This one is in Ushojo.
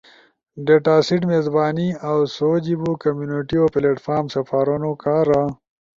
ڈیٹاسیٹ میزبانی اؤ سو جیبو کمیونٹیو پلیٹ فارم سپارونو کارا